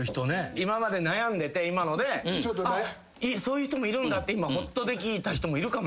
今まで悩んでて今のであっそういう人もいるんだってほっとできた人もいるかも。